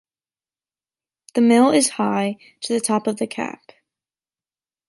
The mill is high to the top of the cap.